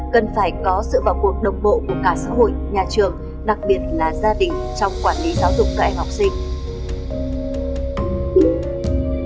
cần phải có sự vào cuộc đồng bộ của cả xã hội nhà trường đặc biệt là gia đình trong quản lý giáo dục các em học sinh